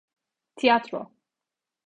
Tiyatro.